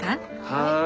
はい。